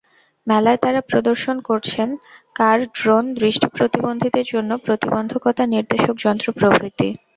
মেলায় তাঁরা প্রদর্শন করছেন কার ড্রোন, দৃষ্টিপ্রতিবন্ধীদের জন্য প্রতিবন্ধকতা নির্দেশক যন্ত্র প্রভৃতি।